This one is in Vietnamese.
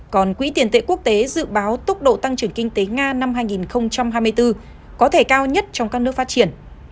còn quỹ tiền tệ quốc tế dự báo tốc độ tăng trưởng kinh tế nga năm hai nghìn hai mươi bốn có thể cao nhất trong các nước phát triển